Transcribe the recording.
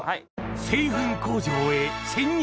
製粉工場へ潜入